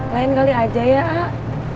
lain kali aja ya ak